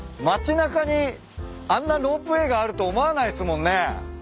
街中にあんなロープウエーがあると思わないっすもんね。